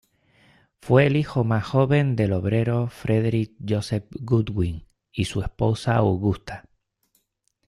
Fue el hijo más joven del obrero Frederick Joseph Goodwin y su esposa Augusta.